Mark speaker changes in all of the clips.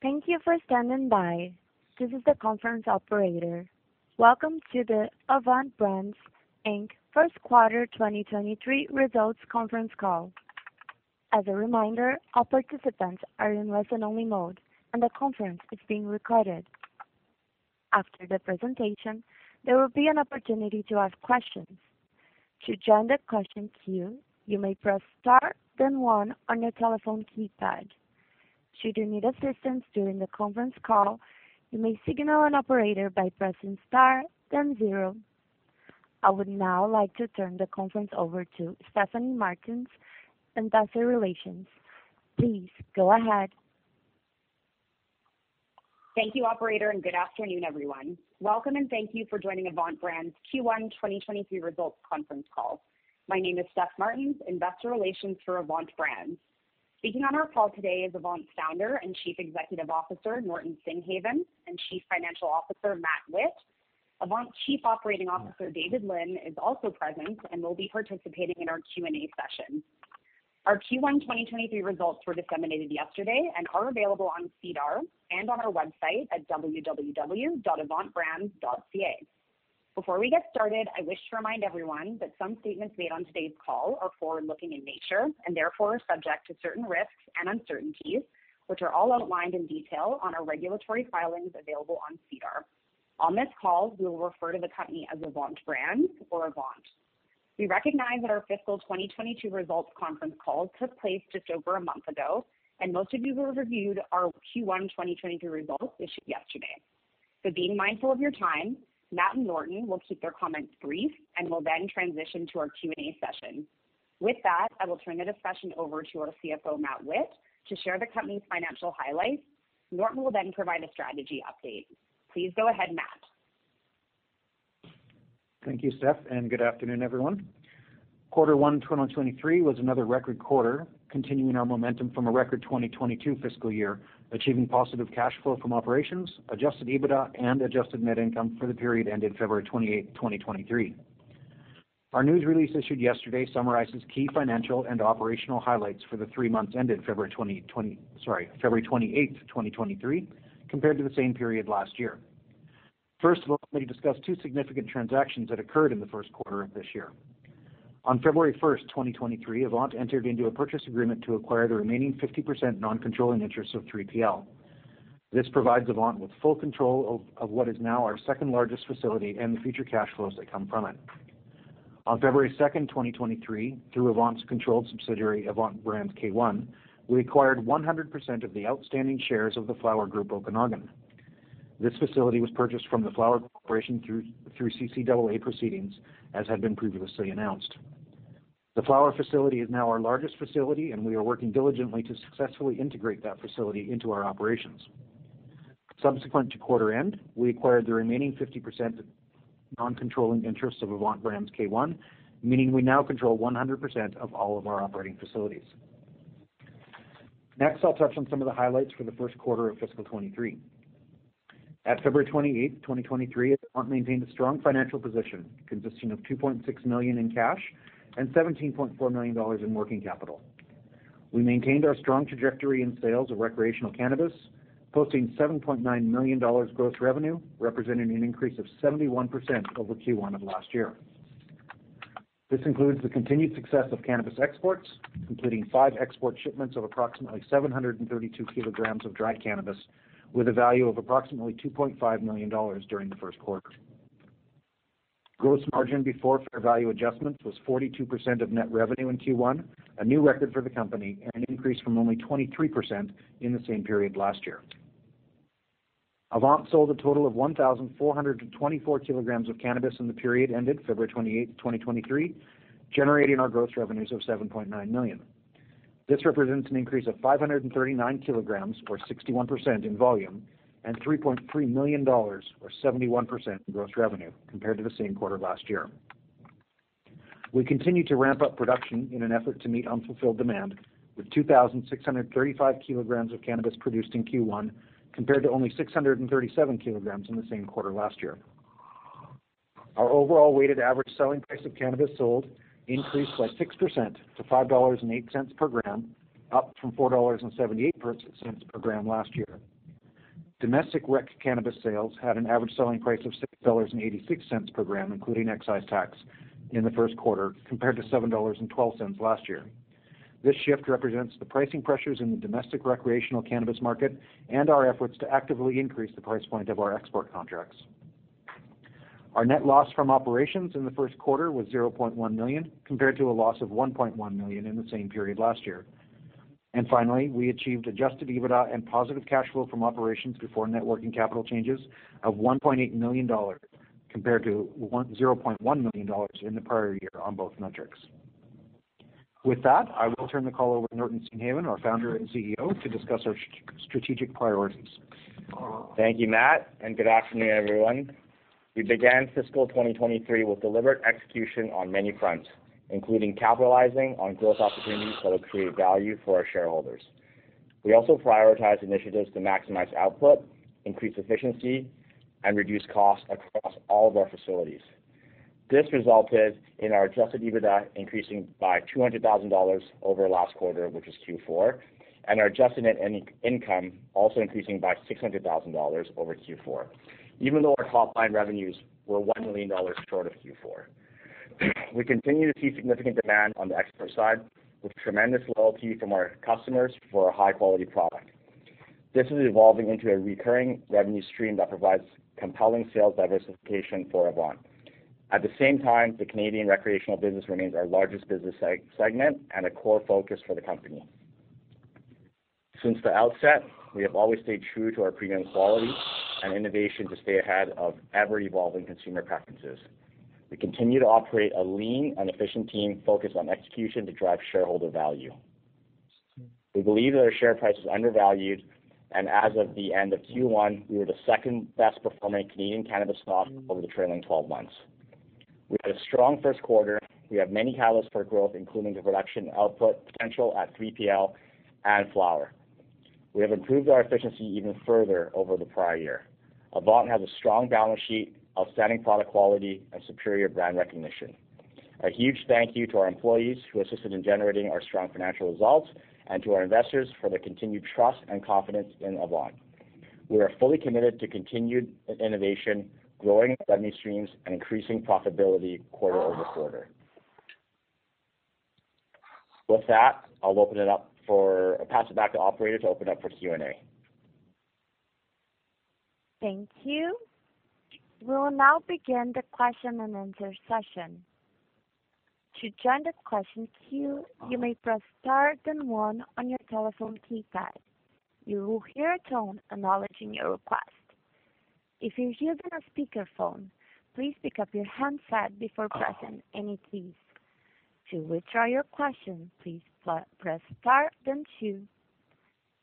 Speaker 1: Thank you for standing by. This is the conference operator. Welcome to the Avant Brands Inc. first quarter 2023 results conference call. As a reminder, all participants are in listen-only mode, and the conference is being recorded. After the presentation, there will be an opportunity to ask questions. To join the question queue, you may press Star then one on your telephone keypad. Should you need assistance during the conference call, you may signal an operator by pressing Star then zero. I would now like to turn the conference over to Stephanie Martens, Investor Relations. Please go ahead.
Speaker 2: Thank you operator, and good afternoon, everyone. Welcome and thank you for joining Avant Brands Q1 2023 results conference call. My name is Stephanie Martens, Investor Relations for Avant Brands. Speaking on our call today is Avant's Founder and Chief Executive Officer, Norton Singhavon, and Chief Financial Officer, Matt Whitt. Avant's Chief Operating Officer, David Lynn, is also present and will be participating in our Q&A session. Our Q1 2023 results were disseminated yesterday and are available on SEDAR and on our website at www.avantbrands.ca. Before we get started, I wish to remind everyone that some statements made on today's call are forward-looking in nature and therefore are subject to certain risks and uncertainties, which are all outlined in detail on our regulatory filings available on SEDAR. On this call, we will refer to the company as Avant Brands or Avant. We recognize that our fiscal 2022 results conference call took place just over a month ago, Most of you have reviewed our Q1 2023 results issued yesterday. Being mindful of your time, Matt and Norton will keep their comments brief, We'll then transition to our Q&A session. With that, I will turn the discussion over to our CFO, Matt Whitt, to share the company's financial highlights. Norton will then provide a strategy update. Please go ahead, Matt.
Speaker 3: Thank you, Steph, and good afternoon, everyone. Quarter one, 2023 was another record quarter, continuing our momentum from a record 2022 fiscal year, achieving positive cash flow from operations, adjusted EBITDA and adjusted net income for the period ended February 28, 2023. Our news release issued yesterday summarizes key financial and operational highlights for the three months ended February 28, 2023, compared to the same period last year. First of all, let me discuss two significant transactions that occurred in the first quarter of this year. On February first, 2023, Avant entered into a purchase agreement to acquire the remaining 50% non-controlling interest of 3PL. This provides Avant with full control of what is now our second-largest facility and the future cash flows that come from it. On February 2, 2023, through Avant's controlled subsidiary, Avant Brands K1, we acquired 100% of the outstanding shares of the Flowr Group Okanagan. This facility was purchased from the Flowr Corporation through CCAA proceedings, as had been previously announced. The Flowr facility is now our largest facility, and we are working diligently to successfully integrate that facility into our operations. Subsequent to quarter end, we acquired the remaining 50% non-controlling interest of Avant Brands K1, meaning we now control 100% of all of our operating facilities. I'll touch on some of the highlights for the first quarter of fiscal 2023. At February 28, 2023, Avant maintained a strong financial position consisting of 2.6 million in cash and 17.4 million dollars in working capital. We maintained our strong trajectory in sales of recreational cannabis, posting 7.9 million dollars gross revenue, representing an increase of 71% over Q1 of last year. This includes the continued success of cannabis exports, completing five export shipments of approximately 732 kg of dry cannabis with a value of approximately 2.5 million dollars during the first quarter. Gross margin before fair value adjustments was 42% of net revenue in Q1, a new record for the company, an increase from only 23% in the same period last year. Avant sold a total of 1,424 kg of cannabis in the period ended February 28, 2023, generating our gross revenues of 7.9 million. This represents an increase of 539 kg or 61% in volume and 3.3 million dollars or 71% in gross revenue compared to the same quarter last year. We continue to ramp up production in an effort to meet unfulfilled demand with 2,635 kg of cannabis produced in Q1, compared to only 637 kg in the same quarter last year. Our overall weighted average selling price of cannabis sold increased by 6% to 5.08 dollars per gram, up from 4.78 dollars per gram last year. Domestic REC cannabis sales had an average selling price of 6.86 dollars per gram, including excise tax in the first quarter, compared to 7.12 dollars last year. This shift represents the pricing pressures in the domestic recreational cannabis market and our efforts to actively increase the price point of our export contracts. Our net loss from operations in the first quarter was 0.1 million, compared to a loss of 1.1 million in the same period last year. Finally, we achieved adjusted EBITDA and positive cash flow from operations before net working capital changes of 1.8 million dollars compared to 0.1 million dollars in the prior year on both metrics. With that, I will turn the call over to Norton Singhavon, our Founder and CEO, to discuss our strategic priorities.
Speaker 4: Thank you, Matt, and good afternoon, everyone. We began fiscal 2023 with deliberate execution on many fronts, including capitalizing on growth opportunities that will create value for our shareholders. We also prioritized initiatives to maximize output, increase efficiency, and reduce costs across all of our facilities. This resulted in our adjusted EBITDA increasing by 200,000 dollars over last quarter, which was Q4, and our adjusted net income also increasing by 600,000 dollars over Q4, even though our top line revenues were 1 million dollars short of Q4. We continue to see significant demand on the export side, with tremendous loyalty from our customers for our high-quality product. This is evolving into a recurring revenue stream that provides compelling sales diversification for Avant. At the same time, the Canadian recreational business remains our largest business segment and a core focus for the company. Since the outset, we have always stayed true to our premium quality and innovation to stay ahead of ever-evolving consumer preferences. We continue to operate a lean and efficient team focused on execution to drive shareholder value. We believe that our share price is undervalued. As of the end of Q1, we were the second-best performing Canadian cannabis stock over the trailing 12 months. We had a strong first quarter. We have many catalysts for growth, including the production output potential at 3PL and Flowr. We have improved our efficiency even further over the prior year. Avant has a strong balance sheet, outstanding product quality, and superior brand recognition. A huge thank you to our employees who assisted in generating our strong financial results and to our investors for their continued trust and confidence in Avant. We are fully committed to continued innovation, growing revenue streams, and increasing profitability quarter-over-quarter. I'll pass it back to operator to open up for Q&A.
Speaker 1: Thank you. We will now begin the question-and-answer session. To join the question queue, you may press star then one on your telephone keypad. You will hear a tone acknowledging your request. If you're using a speakerphone, please pick up your handset before pressing any keys. To withdraw your question, please press star then two.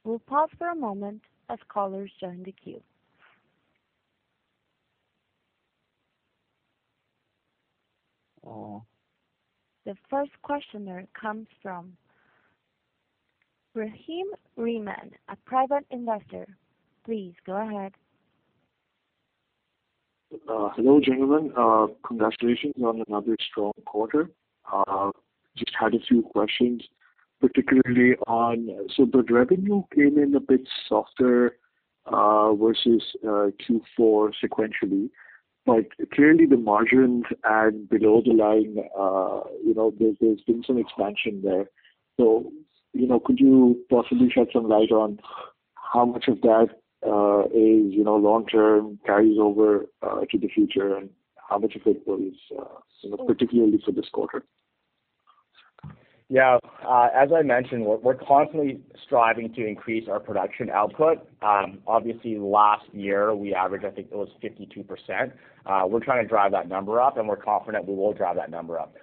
Speaker 1: We'll pause for a moment as callers join the queue. The first questioner comes from Rahim Rehman, a private investor. Please go ahead.
Speaker 5: Hello, gentlemen. Congratulations on another strong quarter. Just had a few questions. The revenue came in a bit softer versus Q4 sequentially. Clearly the margins and below the line, you know, there's been some expansion there. You know, could you possibly shed some light on how much of that is, you know, long term, carries over to the future? How much of it was, you know, particularly for this quarter?
Speaker 4: Yeah. As I mentioned, we're constantly striving to increase our production output. Obviously last year, we averaged, I think it was 52%. We're trying to drive that number up, we're confident we will drive that number up.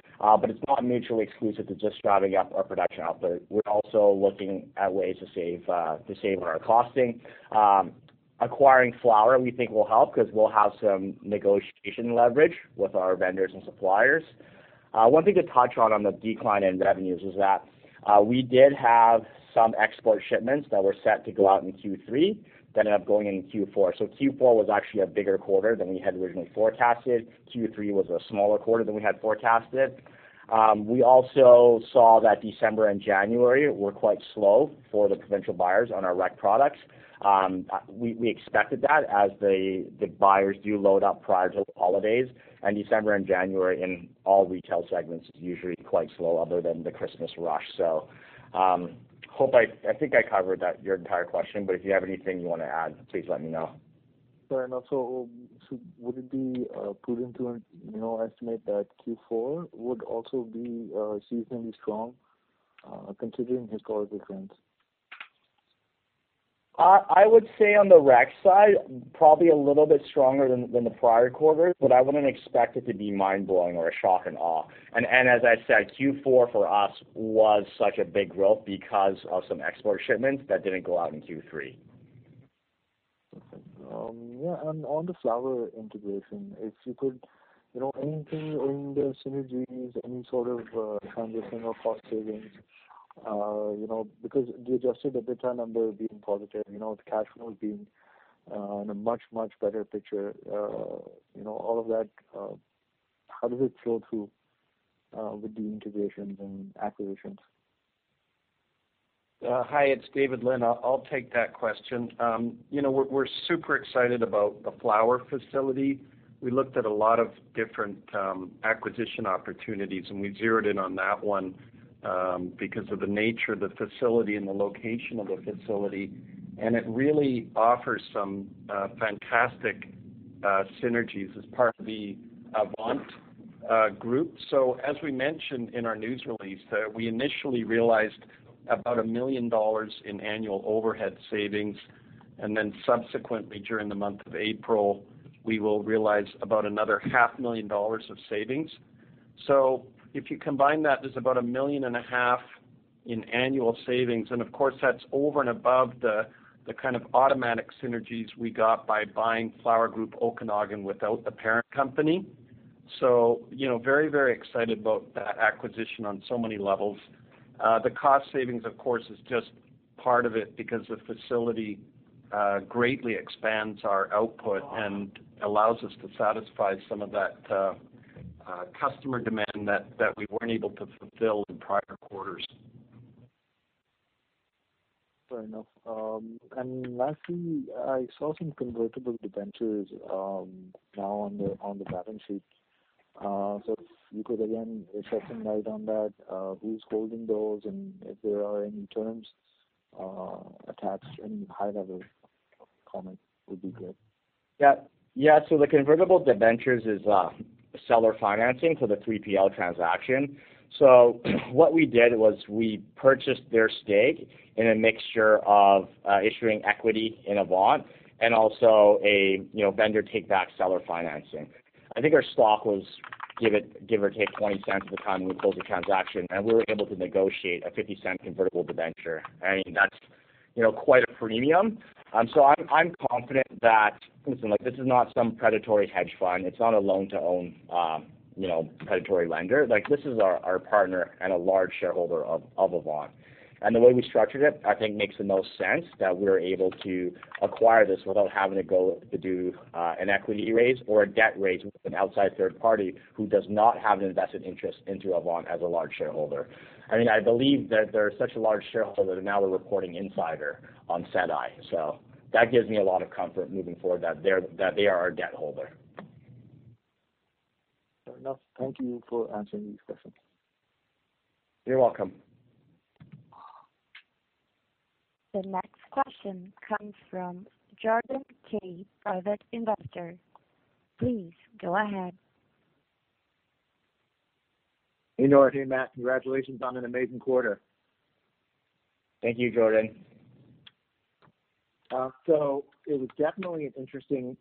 Speaker 4: It's not mutually exclusive to just driving up our production output. We're also looking at ways to save on our costing. Acquiring Flowr, we think, will help because we'll have some negotiation leverage with our vendors and suppliers. One thing to touch on the decline in revenues is that we did have some export shipments that were set to go out in Q3 that ended up going in Q4. Q4 was actually a bigger quarter than we had originally forecasted. Q3 was a smaller quarter than we had forecasted. We also saw that December and January were quite slow for the provincial buyers on our REC products. We expected that as the buyers do load up prior to the holidays. December and January in all retail segments is usually quite slow other than the Christmas rush. I think I covered that, your entire question, but if you have anything you wanna add, please let me know.
Speaker 5: Sure. Would it be prudent to, you know, estimate that Q4 would also be seasonally strong, considering historical trends?
Speaker 4: I would say on the REC side, probably a little bit stronger than the prior quarter, but I wouldn't expect it to be mind-blowing or a shock and awe. As I said, Q4 for us was such a big growth because of some export shipments that didn't go out in Q3.
Speaker 5: Yeah, on the Flowr integration, if you could, you know, anything in the synergies, any sort of transition or cost savings, you know, because the adjusted EBITDA number being positive, you know, the cash flow is being in a much, much better picture. You know, all of that, how does it flow through with the integrations and acquisitions?
Speaker 6: Hi, it's David Lynn. I'll take that question. You know, we're super excited about the Flowr facility. We looked at a lot of different acquisition opportunities, and we zeroed in on that one because of the nature of the facility and the location of the facility, and it really offers some fantastic synergies as part of the Avant group. As we mentioned in our news release, we initially realized about 1 million dollars in annual overhead savings, and then subsequently, during the month of April, we will realize about another 0.5 million dollars of savings. If you combine that, there's about 1.5 million in annual savings, and of course, that's over and above the kind of automatic synergies we got by buying Flowr Group Okanagan without the parent company. you know, very, very excited about that acquisition on so many levels. the cost savings, of course, is just part of it because the facility
Speaker 4: Greatly expands our output and allows us to satisfy some of that customer demand that we weren't able to fulfill in prior quarters.
Speaker 5: Fair enough. Lastly, I saw some convertible debentures, now on the balance sheet. If you could again shed some light on that, who's holding those, and if there are any terms, attached, any high-level comment would be good.
Speaker 4: Yeah. Yeah. The convertible debentures is seller financing for the 3PL transaction. What we did was we purchased their stake in a mixture of issuing equity in Avant and also a, you know, vendor take back seller financing. I think our stock was give or take 0.20 at the time we closed the transaction, and we were able to negotiate a 0.50 convertible debenture. I mean, that's, you know, quite a premium. So I'm confident that. Listen, like, this is not some predatory hedge fund. It's not a loan to own, you know, predatory lender. Like, this is our partner and a large shareholder of Avant. The way we structured it, I think, makes the most sense that we're able to acquire this without having to do an equity raise or a debt raise with an outside third party who does not have a vested interest into Avant as a large shareholder. I mean, I believe that they're such a large shareholder that now we're reporting insider on SEDI. That gives me a lot of comfort moving forward that they are our debt holder.
Speaker 5: Fair enough. Thank you for answering these questions.
Speaker 4: You're welcome.
Speaker 1: The next question comes from Jordan Kay, private investor. Please go ahead.
Speaker 7: Hey, Norm. Hey, Matt. Congratulations on an amazing quarter.
Speaker 4: Thank you, Jordan.
Speaker 7: It was definitely an interesting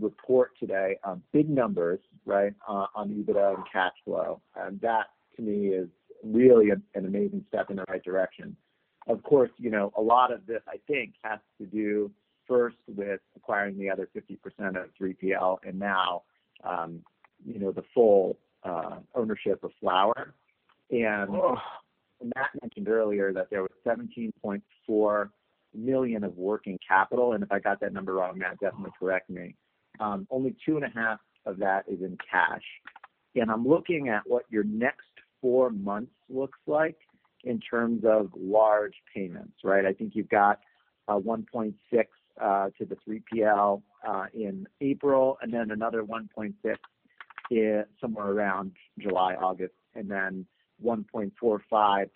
Speaker 7: report today on big numbers, right, on EBITDA and cash flow. That to me is really an amazing step in the right direction. Of course, you know, a lot of this, I think, has to do first with acquiring the other 50% of 3PL and now, you know, the full ownership of Flowr. Matt mentioned earlier that there was 17.4 million of working capital, and if I got that number wrong, Matt, definitely correct me. Only two and a half of that is in cash. I'm looking at what your next four months looks like in terms of large payments, right? I think you've got 1.6 to the 3PL in April and then another 1.6 in somewhere around July, August, and then 1.45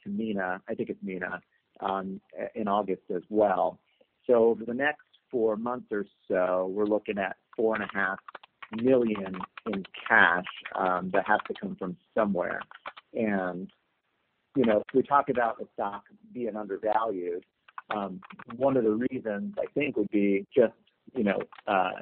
Speaker 7: to MENA, I think it's MENA, in August as well. Over the next four months or so, we're looking at 4.5 million in cash that has to come from somewhere. You know, if we talk about the stock being undervalued, one of the reasons I think would be just, you know,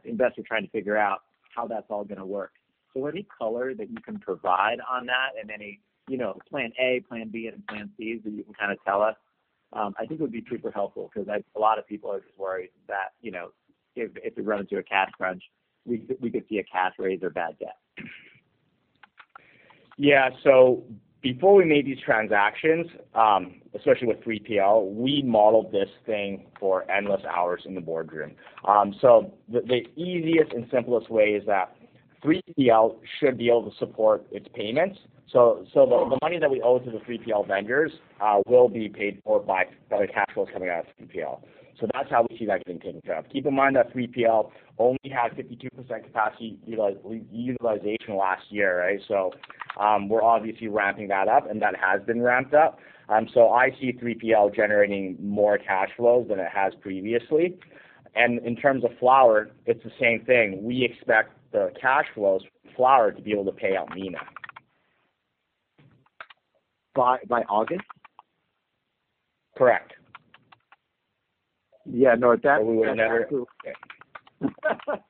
Speaker 7: investors trying to figure out how that's all gonna work. Any color that you can provide on that and any, you know, plan A, plan B, and plan Cs that you can kind of tell us, I think it would be super helpful because a lot of people are just worried that, you know, if we run into a cash crunch, we could see a cash raise or bad debt.
Speaker 4: Yeah. Before we made these transactions, especially with 3PL, we modeled this thing for endless hours in the boardroom. The easiest and simplest way is that 3PL should be able to support its payments. The money that we owe to the 3PL vendors will be paid for by the cash flows coming out of 3PL. That's how we see that getting taken care of. Keep in mind that 3PL only had 52% capacity utilization last year, right? We're obviously ramping that up, and that has been ramped up. I see 3PL generating more cash flows than it has previously. And in terms of Flowr, it's the same thing. We expect the cash flows from Flowr to be able to pay out MENA.
Speaker 7: By August?
Speaker 4: Correct.
Speaker 7: Yeah. No.
Speaker 4: we would have never-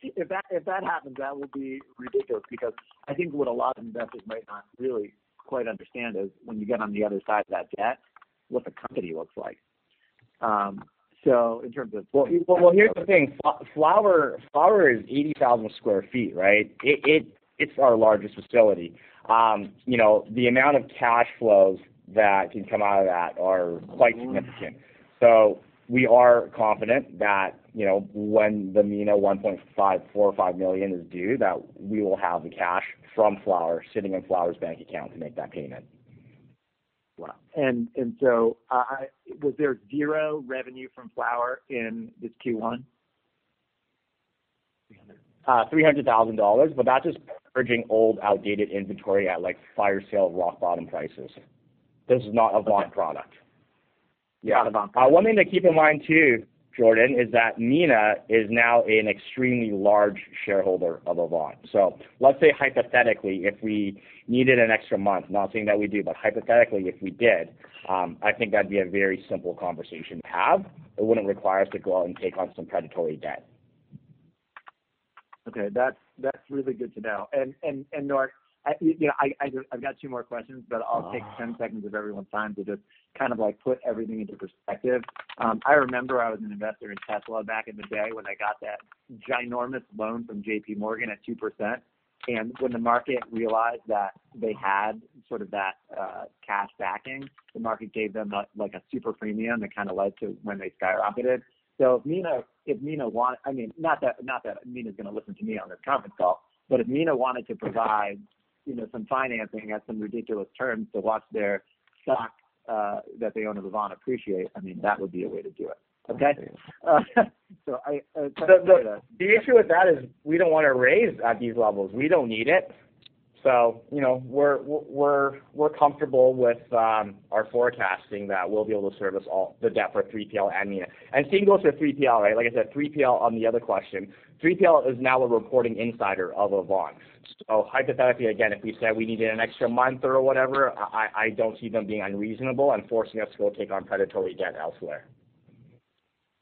Speaker 7: If that happens, that would be ridiculous because I think what a lot of investors might not really quite understand is when you get on the other side of that debt, what the company looks like.
Speaker 4: Well, here's the thing. Flowr is 80,000 sq ft, right? It's our largest facility. you know, the amount of cash flows that can come out of that are quite significant. We are confident that, you know, when the MENA 1.545 million is due, that we will have the cash from Flowr sitting in Flowr's bank account to make that payment.
Speaker 7: Wow. Was there zero revenue from Flowr in this Q1?
Speaker 4: 300,000 dollars, but that's just purging old, outdated inventory at, like, fire sale rock bottom prices. This is not Avant product.
Speaker 7: Okay. Got it.
Speaker 4: One thing to keep in mind too, Jordan, is that MENA is now an extremely large shareholder of Avant. Let's say hypothetically, if we needed an extra month, not saying that we do, but hypothetically, if we did, I think that'd be a very simple conversation to have. It wouldn't require us to go out and take on some predatory debt.
Speaker 7: Okay, that's really good to know. Norton, I, you know, I've got two more questions, but I'll take 10 seconds of everyone's time to just kind of, like, put everything into perspective. I remember I was an investor in Tesla back in the day when they got that ginormous loan from J.P. Morgan at 2%. When the market realized that they had sort of that cash backing, the market gave them a, like, a super premium that kind of led to when they skyrocketed. If MENA want... I mean, not that MENA's gonna listen to me on this conference call, but if MENA wanted to provide, you know, some financing at some ridiculous terms to watch their stock that they own of Avant appreciate, I mean, that would be a way to do it. Okay?
Speaker 4: The issue with that is we don't wanna raise at these levels. We don't need it. You know, we're comfortable with our forecasting that we'll be able to service all the debt for 3PL and MENA. Same goes for 3PL, right? Like I said, 3PL on the other question. 3PL is now a reporting insider of Avant. Hypothetically, again, if we said we needed an extra month or whatever, I don't see them being unreasonable and forcing us to go take on predatory debt elsewhere.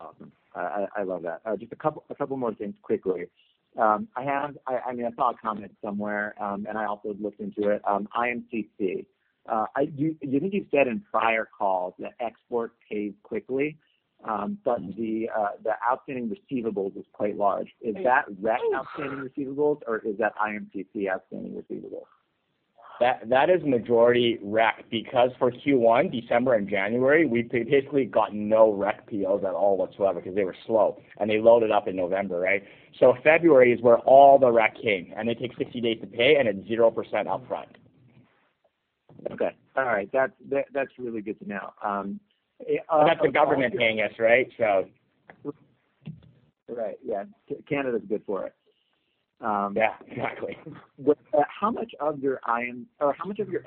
Speaker 7: Awesome. I love that. Just a couple more things quickly. I have... I mean, I saw a comment somewhere, and I also looked into it, IMCC. I... Do you think you've said in prior calls that export paid quickly, but the outstanding receivables is quite large. Is that REC outstanding receivables, or is that IMCC outstanding receivables?
Speaker 4: That is majority REC because for Q1, December and January, we basically got no REC POs at all whatsoever because they were slow, and they loaded up in November, right? February is where all the REC came, and they take 60 days to pay, and it's 0% upfront.
Speaker 7: Okay. All right. That's really good to know.
Speaker 4: That's the government paying us, right?
Speaker 7: Right. Yeah. Canada's good for it.
Speaker 4: Yeah, exactly.
Speaker 7: How much of your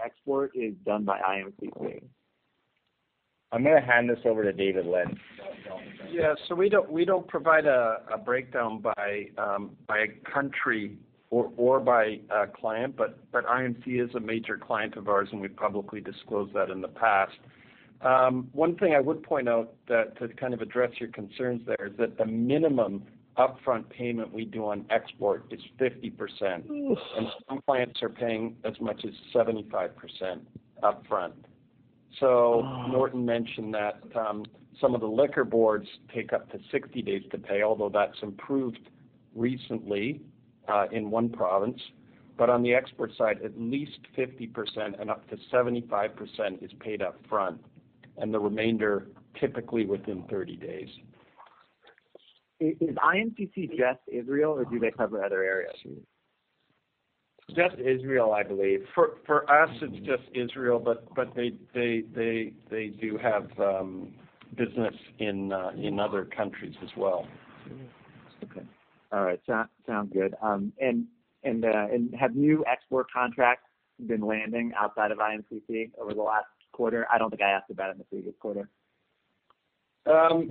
Speaker 7: export is done by IMCC?
Speaker 4: I'm gonna hand this over to David Lynn.
Speaker 6: We don't provide a breakdown by country or by a client, but IMC is a major client of ours, and we've publicly disclosed that in the past. One thing I would point out that to kind of address your concerns there is that the minimum upfront payment we do on export is 50%, and some clients are paying as much as 75% upfront. Norton mentioned that some of the liquor boards take up to 60 days to pay, although that's improved recently in one province. On the export side, at least 50% and up to 75% is paid upfront, and the remainder typically within 30 days.
Speaker 7: Is IMCC just Israel, or do they cover other areas?
Speaker 6: Just Israel, I believe. For us, it's just Israel, but they do have business in other countries as well.
Speaker 7: Okay. All right. Sound good. Have new export contracts been landing outside of IMCC over the last quarter? I don't think I asked about it in the previous quarter.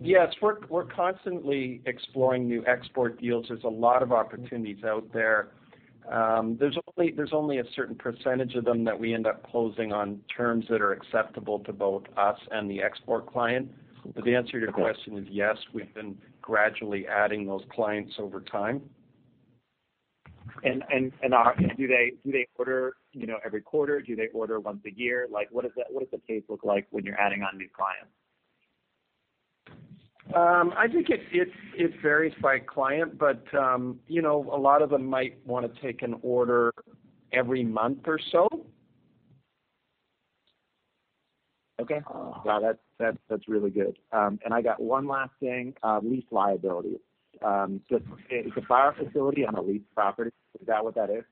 Speaker 6: Yes. We're constantly exploring new export deals. There's a lot of opportunities out there. There's only a certain percentage of them that we end up closing on terms that are acceptable to both us and the export client. The answer to your question is yes. We've been gradually adding those clients over time.
Speaker 7: Do they order, you know, every quarter? Do they order once a year? Like, what does the pace look like when you're adding on new clients?
Speaker 6: I think it varies by client, but, you know, a lot of them might wanna take an order every month or so.
Speaker 7: Okay. Got it. That's really good. I got one last thing, lease liability. Just is the Flowr facility on a leased property? Is that what that is?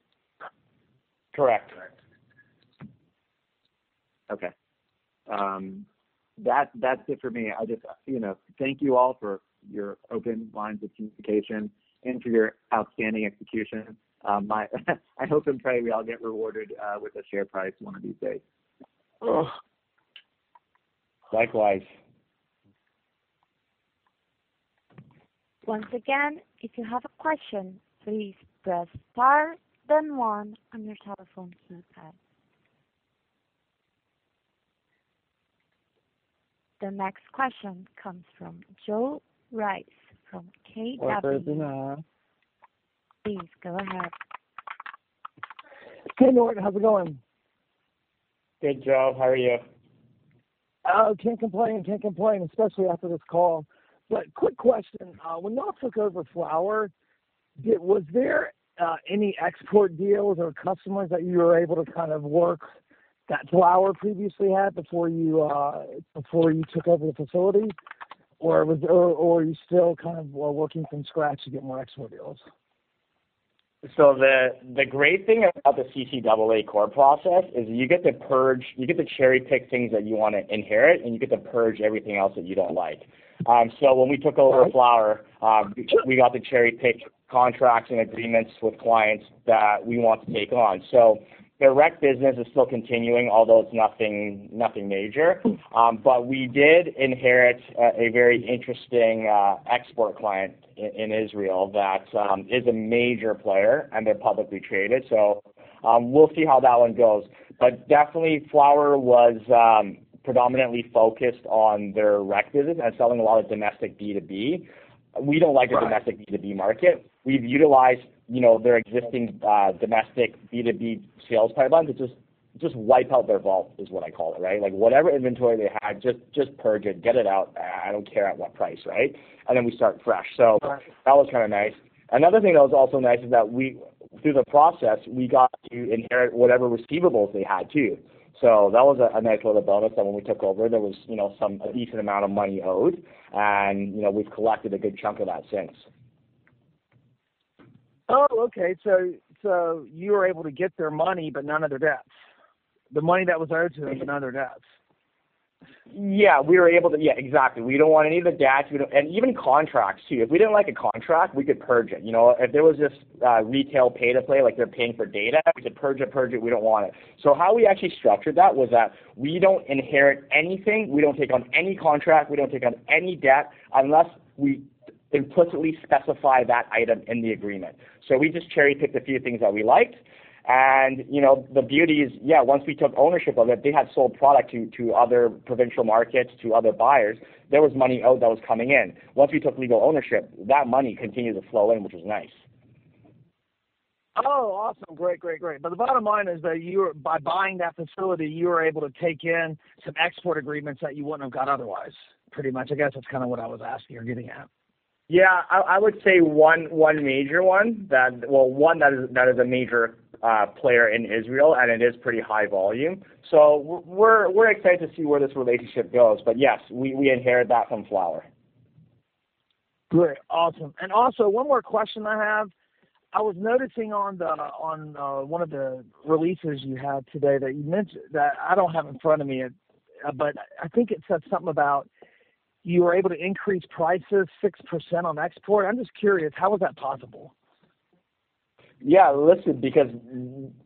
Speaker 6: Correct.
Speaker 7: Okay. That's it for me. I just, you know. Thank you all for your open lines of communication and for your outstanding execution. I hope and pray we all get rewarded, with a share price one of these days.
Speaker 6: Likewise.
Speaker 1: Once again, if you have a question, please press star then one on your telephone keypad. The next question comes from Joe Rice from KAB. Please go ahead.
Speaker 8: Hey, Norton. How's it going?
Speaker 4: Good, Joe. How are you?
Speaker 8: Can't complain. Can't complain, especially after this call. Quick question. When you all took over Flowr, was there any export deals or customers that you were able to kind of work that Flowr previously had before you took over the facility, or are you still kind of working from scratch to get more export deals?
Speaker 4: The great thing about the CCAA core process is you get to purge. You get to cherry-pick things that you want to inherit, and you get to purge everything else that you don't like. When we took over Flowr, we got to cherry-pick contracts and agreements with clients that we want to take on. The REC business is still continuing, although it's nothing major. We did inherit a very interesting export client in Israel that is a major player, and they're publicly traded. We'll see how that one goes. Definitely, Flowr was predominantly focused on their REC business and selling a lot of domestic B2B. We don't like-
Speaker 8: Right.
Speaker 4: -the domestic B2B market. We've utilized, you know, their existing domestic B2B sales pipeline to just wipe out their vault, is what I call it, right? Like, whatever inventory they had, just purge it, get it out. I don't care at what price, right? Then we start fresh.
Speaker 8: Right.
Speaker 4: That was kind of nice. Another thing that was also nice is that we through the process, we got to inherit whatever receivables they had too. That was a nice little bonus that when we took over, there was, you know, some, a decent amount of money owed, and, you know, we've collected a good chunk of that since.
Speaker 8: Okay. You were able to get their money, but none of their debts. The money that was owed to them, but none of the debts.
Speaker 4: Yeah, exactly. We don't want any of the debts. Even contracts too. If we didn't like a contract, we could purge it, you know? If there was this retail pay-to-play, like they're paying for data, we could purge it, we don't want it. How we actually structured that was that we don't inherit anything, we don't take on any contract, we don't take on any debt, unless we implicitly specify that item in the agreement. We just cherry-picked a few things that we liked. You know, the beauty is, yeah, once we took ownership of it, they had sold product to other provincial markets, to other buyers. There was money owed that was coming in. Once we took legal ownership, that money continued to flow in, which was nice.
Speaker 8: Oh, awesome. Great, great. The bottom line is that by buying that facility, you were able to take in some export agreements that you wouldn't have got otherwise, pretty much. I guess that's kinda what I was asking or getting at.
Speaker 4: Yeah. I would say one major one. Well, one that is a major player in Israel, and it is pretty high volume. We're excited to see where this relationship goes. Yes, we inherited that from Flowr.
Speaker 8: Great. Awesome. Also, one more question I have. I was noticing on one of the releases you had today that I don't have in front of me, but I think it said something about you were able to increase prices 6% on export. I'm just curious, how is that possible?
Speaker 4: Yeah. Listen, because,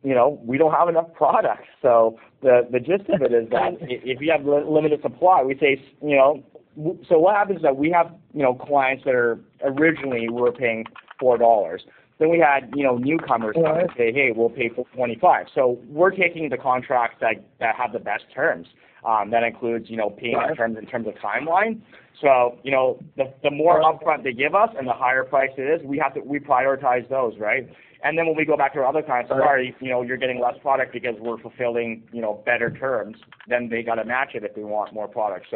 Speaker 4: you know, we don't have enough product. The gist of it is that if you have limited supply, we say, you know. What happens is that we have, you know, clients that are originally were paying 4 dollars, then we had, you know, newcomers come and say, "Hey, we'll pay for 25." We're taking the contracts that have the best terms, that includes, you know, paying in terms.
Speaker 8: Right.
Speaker 4: In terms of timeline. You know, the more upfront they give us and the higher price it is, we prioritize those, right? When we go back to our other clients, "Sorry, you know, you're getting less product because we're fulfilling, you know, better terms." They gotta match it if they want more product.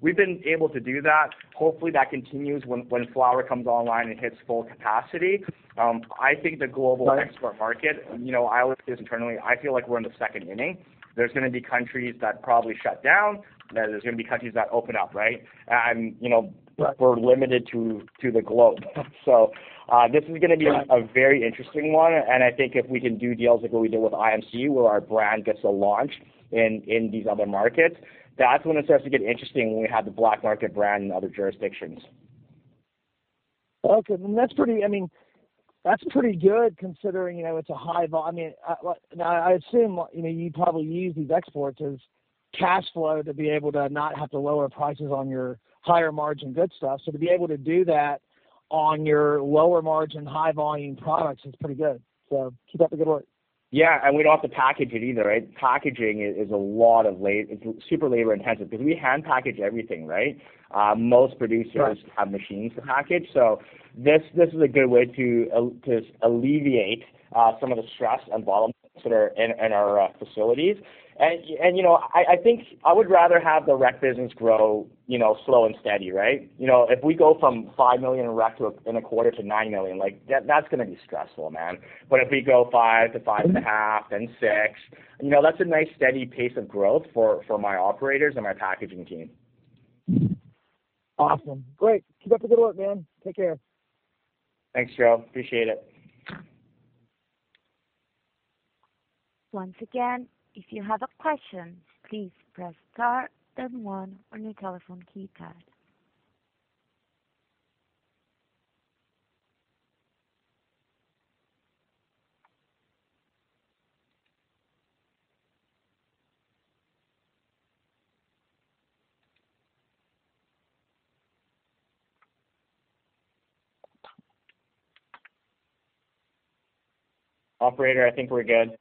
Speaker 4: We've been able to do that. Hopefully, that continues when Flowr comes online and hits full capacity. I think the global export market, you know, I look at this internally, I feel like we're in the second inning. There's gonna be countries that probably shut down, there's gonna be countries that open up, right? You know.
Speaker 8: Right.
Speaker 4: we're limited to the globe. this is gonna be.
Speaker 8: Right.
Speaker 4: -a very interesting one, and I think if we can do deals like what we did with IMC, where our brand gets a launch in these other markets, that's when it starts to get interesting, when we have the BLK MKT brand in other jurisdictions.
Speaker 8: Okay. that's pretty... I mean, that's pretty good considering, you know, it's a high volume. I mean, like. Now, I assume, you know, you probably use these exports as cash flow to be able to not have to lower prices on your higher margin good stuff. to be able to do that on your lower margin, high volume products is pretty good. keep up the good work.
Speaker 4: Yeah. We don't have to package it either, right? Packaging is a lot of It's super labor intensive because we hand package everything, right? Most producers.
Speaker 8: Right.
Speaker 4: have machines to package. This is a good way to alleviate some of the stress and bottlenecks that are in our facilities. You know, I think I would rather have the REC business grow, you know, slow and steady, right? You know, if we go from 5 million in REC in a quarter to 9 million, like, that's gonna be stressful, man. If we go 5 million to 5.5 million then 6 million, you know, that's a nice steady pace of growth for my operators and my packaging team.
Speaker 8: Awesome. Great. Keep up the good work, man. Take care.
Speaker 4: Thanks, Joe. Appreciate it.
Speaker 1: Once again, if you have a question, please press star then one on your telephone keypad.
Speaker 4: Operator, I think we're good.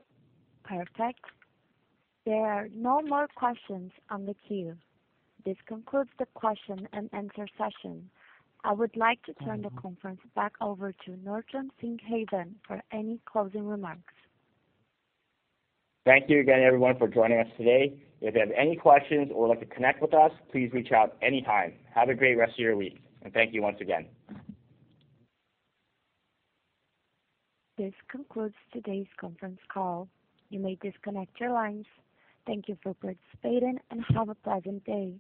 Speaker 1: Perfect. There are no more questions on the queue. This concludes the question-and-answer session. I would like to turn the conference back over to Norton Singhavon for any closing remarks.
Speaker 4: Thank you again, everyone, for joining us today. If you have any questions or would like to connect with us, please reach out anytime. Have a great rest of your week, and thank you once again.
Speaker 1: This concludes today's conference call. You may disconnect your lines. Thank you for participating, and have a pleasant day.